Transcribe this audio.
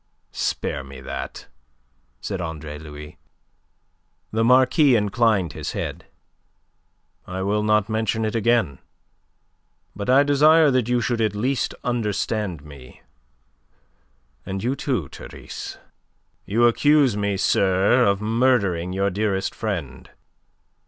"Spare me that," said Andre Louis. The Marquis inclined his head. "I will not mention it again. But I desire that you should at least understand me, and you too, Therese. You accuse me, sir, of murdering your dearest friend.